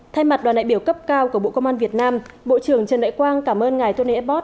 thay mặt đoàn đại biểu cấp cao của bộ công an việt nam bộ trưởng trần đại quang cảm ơn ngài tony ebot